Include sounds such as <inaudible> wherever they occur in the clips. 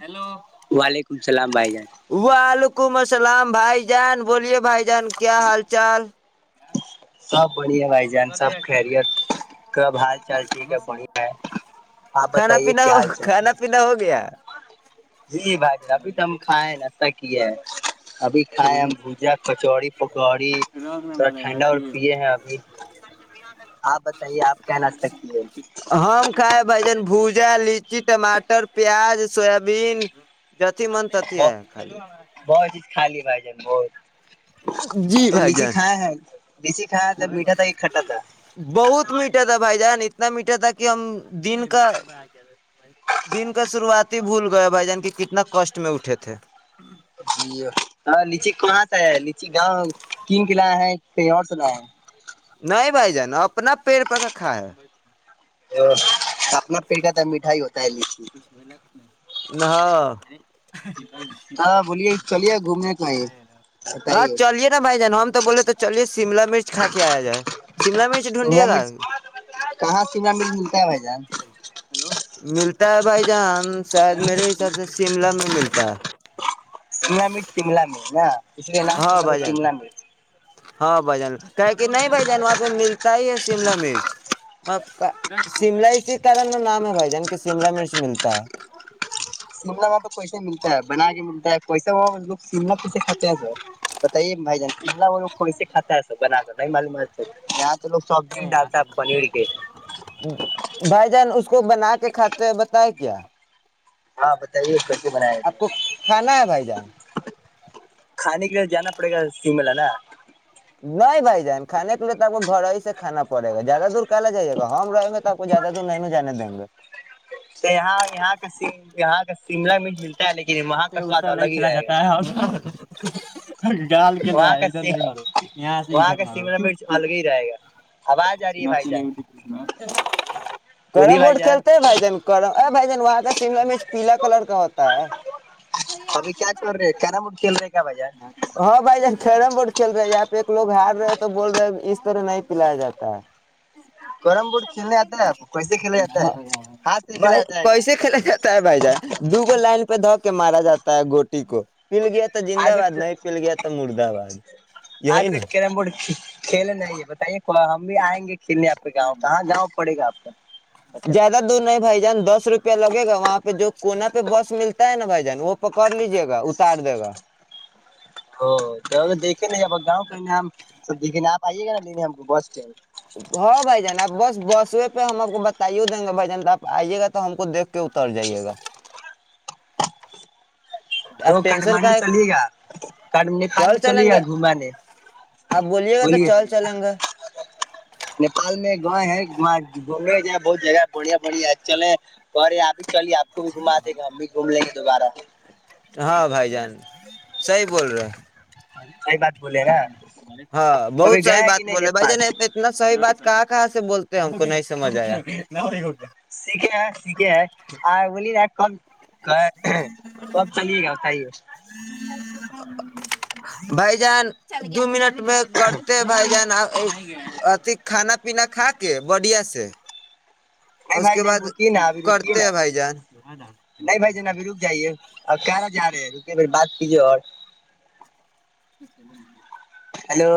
hello وعلیکم السلام بھائی جان وہ آلو ولیکم السلام بھائی جان بولیے بھائی جان کیا حال چال سب بڑیا بھائی جان سب خری کب حال چال ٹھیک ہے بڑھیا ہے آپ کھانا بتائیے پینا کیا ہو حال چال کھانا پینا ہو گیا جی بھائی جان ابھی تو ہم کھائے ہیں ناہ ہے ابھی کھائے ہم بھجا کچوڑی گڑی تھوڑا ٹھنڈا اور یہے ہیں ابمی ہم کائے بھ جن بھجا لچی ٹماٹر پیاز سویابین ج ا من تتی ہے خال بھ جان بہت جی تو بھائی لیچی جان کھایا ہے لیچی کھایا تھا میٹھا تھا کہ کھٹا تھا بہت میٹ تھا بھائی جانت اتنا میٹر تھا کہ ہم دن کا دن کا شروعات ہی بھول گئے بھائی جان کی کتنا کسٹ میں اٹھے تھے جی ہ لچی کہاں سے ہے لچی گاؤں کن کلا ہے کہیں اور سنا ہے نہیں بھائی جانا اپنا پیڑ پرککھا ہے ا اپنا پیٹ کا تھا مٹھائی ہوتی نہ ہاں <unintelligible> ہاں بولیے چلیے گھومنے کا ہے ہاں بتائیے چلیے نا بھائی جان ہم تو بولے تو چالیس شملا مرچ کھا کے آیا جائے شملا مرچ ڈھونڈیے شملہ گا مرچ کہاں شملہ مرچ ملتا ہے بھائی جان لو ملتا ہے بھائی جان شاید میرے حساب سے شملہ میں ملتا ہے سمل مٹ سیمل م نا تسریے نام تو ہاں مجے بھائی تین جان لینگو ہاں بھ جان کہ کہ نہیں بائی جان وہاں پہ مل ہی ہے شملا مرچ آ کا شملہ اسی کارن میں نام ہے بھائی جان کے شملہ مرچ ملتا ہے شملہ وہاں پہ کوسا ملتا ہے بنا کے ملتا ہے کوسا وہ شملا کیسے کھاتے ہیں سر بتائیے بھائی جان شملا وہ لوگ کیسے کھاتا ہے سر بنا کر نہیں معلومات یہاں تو لوگ سبزی میں ڈالتا ہے پنیر کے ہے بھائی جان اس کو بنا کے کھاتے ہیں بتائے کیا ہاں بتائیے ک آپ کو کھانا ہے بھائی جان کھانے جانا پڑے گا سیملہ نا نہیں بھائی جان کھانے کے لیے تو آپ کو گھر ہی سے کھانا پڑے گا زیادہ دور کالا جائیے گا ہم رہیں گے تو آپ کو زیادہ دور نہیں ن جانے دیں گے یہاں یہاں کا یہاں کا شملہ میں ملتا ہے لیکن وہاں کا سواد اسہ نہیں الگ ہی کھیلا رہے گا جاتا ہے جال کھیل رہا وہاں ہے ادھر کا نہیں مو یہاں سے وہاں ادھر کا نہو شملا چپ مرچ چپ الگ ہی رہے گا آواز آ رہی ن ہے بھائی ل جان د میں <unintelligible> بولیے کیرم بھائی بورڈ جان کھیلتے ہیں بھائی جان بھائی جان وہاں کا شملا میںیچ پیلا کلر کا ہوتا ا <inaudible> ابھی کیا کر رہے ہیں کیرم بورڈ کھیل رہے ہیں ہاں بھائی جب کیرم بورڈ کھیل رہے ہیں آپ ایک لوگ ہار رہے ہیں تو بول رہے ہیں اس طرح نہیں پلایا جاتا ہے کیرم بورڈ کھیلنے آتا ہے آپ کو کیسے کھیلا جاتا ہے ہاتھ سے کھیلا بائی جاتا ہے گا کیسے کھیلا جاتا ہے بھائی جان دو گو لائن <unintelligible> پ دھو کے مارا جاتا ہے گوٹی کو پل گیا تھا آجک آج یہی نا تک کیرم بورڈ کھیل نہیں ہے بتائیے ک ہم بھی آئیں گے کنے آپہ گاؤ کہاں گؤ پڑے گاپ کو زیادہ دور نہیں بھائی جان دس روپیہ لگے گا وہاں پہ جو کونا پہ بس ملتا ہے نا بھائی جان نوپکار لیجیے گا اتار دے گا ہو ج دیک <unintelligible> کتنے جا گؤ <unintelligible> نام سب د کنا آائیے گا لینے ہم کو بس اسٹڈ ہاں بھائی جان آپ بس بسوے پہ ہم آپ کو بتائیوں دیں گے بھائی جان آپ آئیے گا تو ہم کو دیکھ کے اتر جائیے گا تو آپ ٹینشن کا کاٹھمانڈو ہے چلیے گا نیپال چل میں چلیے چلیں گا گے گھمانے آپ گا تو بولیے چل چلیں گے نیپال میں گاؤ ہے وہاں گھومنے ج بہت جگہ بڑھیا بڑھیا چلے گے آپ ہی چلیے آپ تم گھا دے گا ہم بھی گھوم لیں گے دوبارہ ہاں بھائی جان صیح بول رہے صحیح بات بولے نا ہاں بہت کبھی سحی گئے ہیں بات کہ نہیں بولے بھائی ج نیپال نے تو اتنا صحی بات کہاں کہاں سے بولتا ہم کو نہیں سمجھ آیا سیھے ہے سیکھے ہے آ ب کن کب چلیے گا بتائیے بھائی جان دو منٹ میں کرتے بھائی جان ا کھانا پینا کھا کے بدیا سے اس بھائی کے جان بعد رکیے نا ابھی رکیے کرتے نا ہیں بھائی جان آپ خانہ جا رہے ہیں رکے پھر بات کیجیے اور <inaudible> ہیلو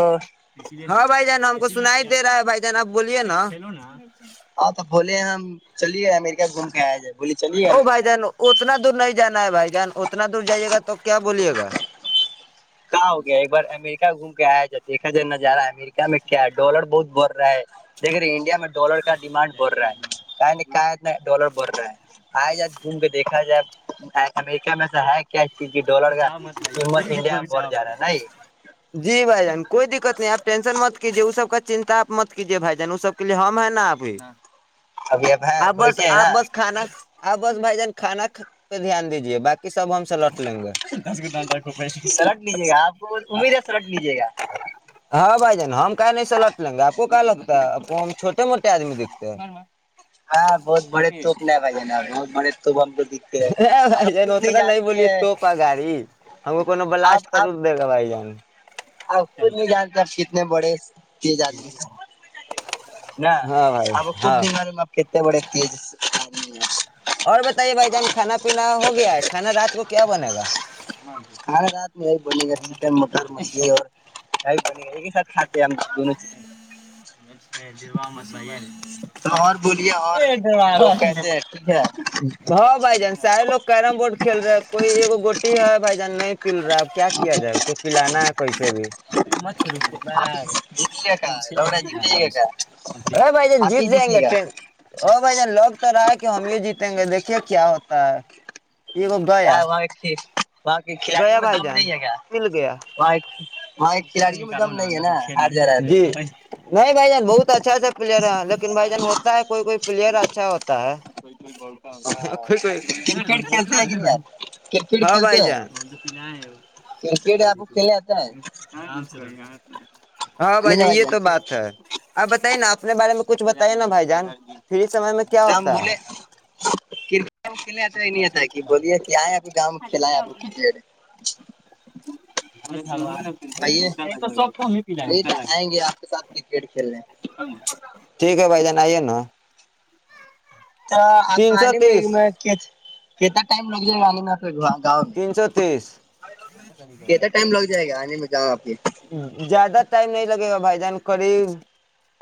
ہاں بھائی جان ہم کو سنا ہی دے رہا ہے بھائی جان آپ بولیے نا ہاں تو بھولے ہیں ہم چلیے امرہ گھوم کے آیا ج وہ بھائی جان اتنا دور نہیں جانا ہے بھائی جان اتنا دور جائیے گا تو کیا بولیے گا کہاں ہو گیا ایک بار امریکہ گھوم کے آیا جاتا دیکھا جائے ن جا رہا امریکہ میں کیا ہے ڈالر بہت بڑ رہا ہے دیکھ رہے انڈیا میں ڈالر کا ڈیمانڈ بڑھ رہا ہے نہیں کا اتنا ڈالر بڑھ رہا ہے آیا جائ گھوم کے دیکھا جائے امریکہ میں سے ہے کیا کی ڈالر کا قیمت انڈیا بڑھ جا رہا ہے نہیں جی بھائی جان کوئی دقت نہیں آپ ٹینشن مت کیجیے وہ سب کا چنتا مت کیجیے بھائی جان وہ سب کے لیے ہم ہے نا ابھی ابھی اب ہے آ بس بیٹھے ہیں آپ نا بس کھانا آ بس بھائی جان کانا پہ دھیان دیجیے باقی سب ہم سے لڑ <inaudible> سلٹ لیجیے گا آپ کو امید ہے سلٹ لیجیے گا ہاں بھائی جان ہم کا نہیں س لٹ لیں گے آپ کو کیا لگتا ہے آپ کو ہم چھوٹے موٹے آدمی دکھتے ہیں ہاں بہت بڑے توپ ن بھ ج نا بہت بڑے توپ ہم کو دکھتے ہیں بھائی آپ جان خود اتنا نہیں بولیے جانتے ہیں توپا گاڑی ہم کو کو بلاسٹ کر دے گا بھائی جان اب کھ نہیں جانتے آپ کتنے بڑے تیز آدمی ن ہاں بھائی اب کھ ہاں د آپ کتنے بڑے تیز <unintelligible> اور بتائیے بھائی جان کھانا پینا ہو گیا ہے کھانا رات کو کیا بنے گا کھانے رات میں یہی بنے گا چکن مٹر مچھلی اور یہی بنے گا ایک ہی ساتھ کھاتے ہیں ہم دونوں چیز تو اور بولیے اور لوگ کیسے ہیں ٹھیک ہے ہا بائی جان سارے لوگ کییرم بورڈ کھیل رہے کوئی ایک گوٹی ہے بھائی جان نہیں پل رہا کیا جائے اس کو پلانا ہے کسے بھی مچ آپ ہی جیتیے گا کا لوڑا جیت جائیے گا بھائی کا جان آپ ہی جیت جائیں گے جیتیے گا ٹ ہو بھائی جان لوگ تو رہائے ہم یہ جیتیں گے دیکھیے کیا ہوتا ہے یہ گیا کیا وہاں وہاں کے گیا کھلاڑیوں میں بھائی دم جان نہیں ہے کیا مل گیا وہاں وہاں کے کھلاڑیوں میں نکالو دم نا نہیں ہے ج ہار جا رہا ہے لوگ نہیں بھائی جان بہت اچھا اچھا پلیئر ہیں لیکن بھائی جان کوئی کوئی پلیئر اچھا ہوتا ہے ہاں ئی کوئی کرکٹ کھیلتے ہیں کہ نہیں آپ کرکٹ ہاں بھائی کھیلتے ج ہیں کرکٹ آپ کو کھیلنے آتا ہے ہاں بھائی جان یہ تو بات ہے آپ بتائیے نا اپنے بارے میں کچھ بتائیے نا بھائی جان پھر سمے میں کیا ہم ہوتا ہے بولے کرکٹ کھیل تھا یہ نہیں آتا کہ بوولے کہ آئے اپ گاؤں میں کھیلا ہے آپ کرکٹ ہ کہیے وہی تو آئیں گے آپ کے ساتھ کرکٹ کھیلنے ٹھیک ہے بھائی جان آئیے نا تو آپ تین سو آنے میں تیس میںتا ٹم لگ ج گ میں گاؤں میں تین سو تیس کتنا ٹائم لگ جائے گا آنے میں جاؤں آپ یہ زیادہ ٹائم نہیں لگے گا بھ جان قریب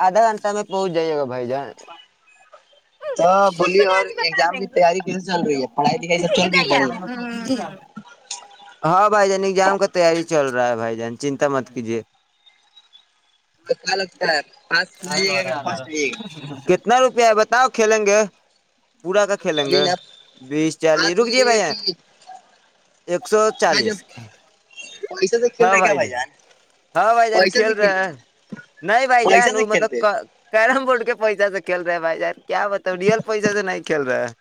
آدھا گھنٹہ میں پہنچ جائیے گا بھ جان تو بولیے اور ایگزام کی تیاری کیسے چل رہی ہے پڑھائی لکھائی سب چل رہی ہے بڑھیا ہاں بھائی جان ایگزام کا تاری چ رہ ہے بھائی جان چنتا مت کیجے کیا لگتا ہے پاس ہو جائیے گا کہ فرسٹ آئیے گا کتنا روپیہ ہے بتاؤ کھیلیں گے پورا کا کھیلیں بولیے گے نا بیس چالیس پاس ہو رک جے جائیے بھائی گا کہ ایک سو بھائی جب چالیس پیسے سے کھیل ہاں رہے کیا بھائی ج جان ہاں بھائی جان کھیل رہے ہیں نہیں بھائی جان پیسے سے وہ کھیلتے مطلب کیرم بورڈ کے پیسہ سے کھیل رہے ہیں بھائی ار کیا بتاؤ ریل پیسہ سے نہیں کھیل رہا ہے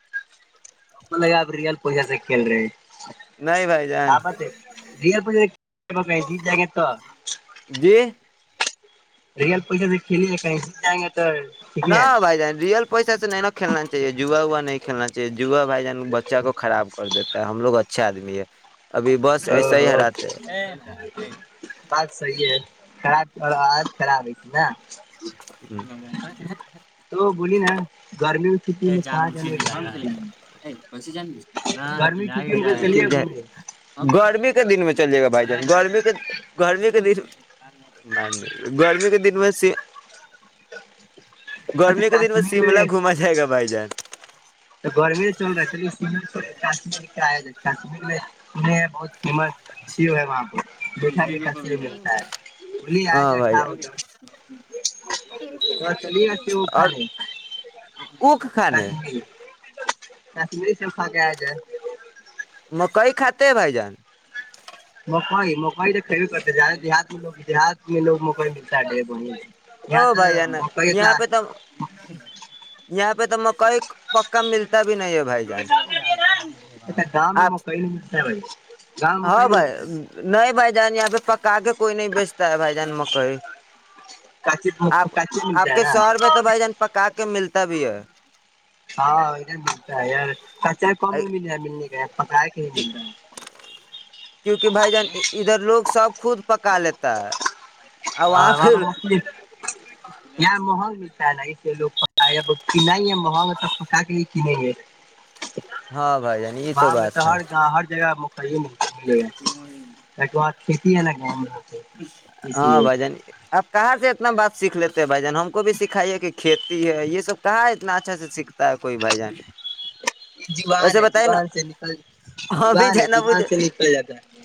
ملب آپ ریئل پوسے سے کھیل رہے ہیں نہیں بھائی جان ہ بات ہے ر پ جی جا گے تو جی <unintelligible> ٹھیک نا ہے بھائی جان ریئل پیسے سے نہیں نہ کھیلنا چاہیے جوا عوا نہیں کھیلنا جوا بھائی جان بچہ کو خراب کر دیتا ہے ہم لوگ اچھے آدمی ہے ابھی بس ایسا او ہی ہو ہراتے ہیں بات صحیح ہے خراب اور آج خراب ہے ت نا تو بولی نا <inaudible> گرمی میں چھٹی میں پارک جانے کا دل کرتا ہے نہ لائٹ جا رہی ہے گھومنے گرمی کے دن میں چلا جائے گا بھائی جان گرمی کتنی گرمی کے دن گرمی کے دن میں سے اچھا گرمی کے دل میں کشمیر سملہ گھوما جائے گا تو گرمی چل رہا ہے کشمیر جائیں گے کشمیر سنا ہے بہت فیمس ہے ہے وہاں پ میٹھا میٹھا سیوملتا ہے بولی ہاں آجاؤ بھائی جان کھانے اس بار چلیے گا سیو اور کھانے اک کھانے کشمیر کشمیری سفا کہ ا جائیں مکئی کاتے ہیں بھائی جان مکائی مکائی د صحیح بات ہے دیہات کےلوگ لدیہات کے لوگ <unintelligible> او بھائی تو جانا مکئی اتنا یہاں پہ تو یہاں پہ یہاں تو مکئی مکہ ملتا بھی نہیں ہے بھائی جان اچھا گاؤں میں آپ مکئی نہیں ملتا ہے بھائی گاؤں میں مکئی ہاں نہیں بھائی ملتا ہے نہیں بھائی جان یہاں پہ پکا کے کوئی نہیں بیچتے ملتا ہے بھائی جان مکئی کچی آپ کچی آپ ملتا ہے کے نا شہر میں تو بھائی جان پکا کے ملتا <inaudible> ہاں ادھر ملتا ہے یار چاہے کم ہی مل جائے مل نہیں رہا پگر کیونکہ بھائی جان ادھر لوگ سب خود بک کہ لیتا ہے ہاں وہاں پ مونگ فلی یہاں ماحول ملتا ہے نا کھیلوں کا ائیے اب ہلائیں گے ماحول ہوگا تب پکا کے بھی کھلائیں گے ہاں بھائی جان یہ وہاں پہ بات تو ہے ہر گاؤں ہر جگہ ہو ائیے نا ب ایک بات کتیا لگے ہم ہاں ب جانی آپ کہاں سے اتنا بات سیکھ لیتے ہو بھ جان ہم کو بھی سکھائیے کہ کھیت <unintelligible> س ہے یہ سب کہا ہے اتنا اچھا سے سیکھتا ہے کوئی بھائی جانے زبان ویسے ہے بتائی نا زبان سے نکل ہم بھی زبان ہے جائ نہ زبان بج سے نکل جاتا ہے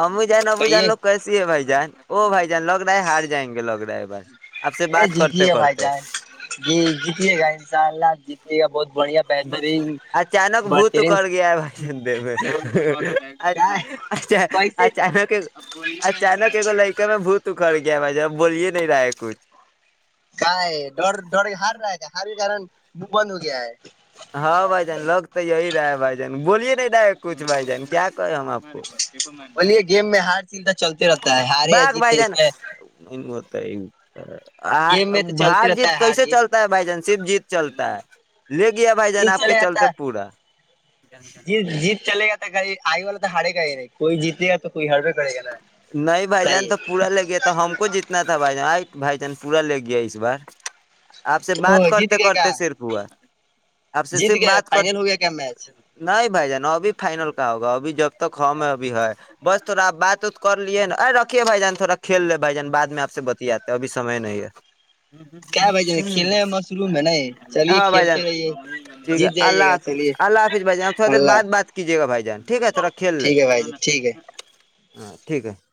ہم بھی جائ نہ بجا کہیے لوگ کیسی ہے بھائی وہ بھائی لاک ڈرائی ہار جائ گے لاک ڈرائیو ب <inaudible> یہ جتے بائی جائے جی جت گائ س ج ٹھ بہت <unintelligible> بہترین اچانک بھوت بہترین کر گیا ہے بھائی د د کیا <unintelligible> چ کیسے اچانک اچانک اگو لئیکے میں بھت اکھڑ گ ب جہب بولیے نہیں رہاے کچھ <unintelligible> کاائے ڈ ڈڑ ہار رہا ہے تھا ہارو کرن <unintelligible> وہ بند ہو گیا ہے ہاں بھائی جان لگ تو یہی رہا ہے بھائی جان بولیے نہیں رہا ہے کچھ بھائی جان کیا کہے ہم آپ کو بلیے گیم میں ہار چلتا چلتے رہتا ہے ہارے یا جیتے اس میں ت <inaudible> آ گیم میں تو چلتے بار رہتا جیت ہے ہار کیسے چلتا ہے بھائی جان شیب جیت چلتا ہے ل <unintelligible> گیا بھائی جان جیت آپ کے چلے جاتا چلتے ہے پورا چل گا گای آئی والا تو ہارے گا ہی نہیں کوئی جیتے گا تو کوئی ہار رہا نہیں بھائی جان تو پورا لگیا تھا ہم کو جیتنا تھا بھائی جان آ بھائی جان پورا لے گیا اس بار آپ سے تو بات جیت کرتے گئے کیا کرتے صرف ہوا آپ سے جیت صرف گئے بات کر فائنل ہو گیا کیا میچ نہیں بھائی جان ابھی فائنل کا ہوگا اب جب تک ہمم ہے ابھی ہے بس تھ آپ بات اتت کر لیے نا ا رکھھیے بائی جان تھوڑا کل لے بائی جان بع میں آپ سے بتیااتے ابھی سے نہیں ہے کیا بھائی جان کھیلنے میں مصروم ہے نہیں چلیے ہاں بھائی کھیلتے جان رہیے ٹھیک ہے جیت جائیے اللہ گا چلیے حافظ اللہ حافظ بھائی جان تھوڑا دیر اللہ بعات بات کیجیے گا بھائی جان ٹھیک ہے تھوڑا کھیل لے ٹھیک ہے بھائی جان ٹھیک ہے ہاں ٹھیک ہے